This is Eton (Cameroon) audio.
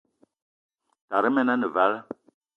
Tara men ane vala.